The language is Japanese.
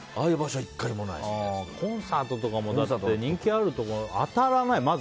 コンサートとかも人気あるところは当たらない、まず。